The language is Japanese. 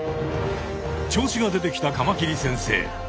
調子が出てきたカマキリ先生。